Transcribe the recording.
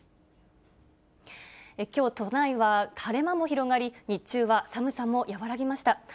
きょう都内は晴れ間も広がり、日中は寒さも和らぎました。